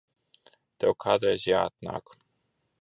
Tev kādreiz jāatnāk.